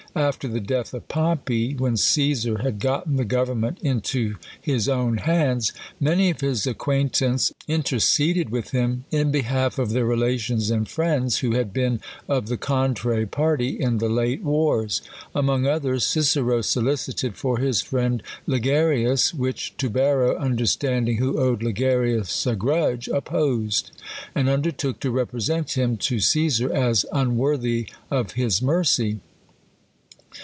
After the death of Pompey, when Cesar had gotten the government into his own hands, many of his acquaintance interce ded with him in behalf of their relations and friends, who had been of the contrary party in the late wars. Among others, Cicero solicited for his friend Ligarius ; which, Tubero understanding, who owed Ligarius a grudge, opposed ; and undertook to represent him lo Cesar as unworthy of his mercy.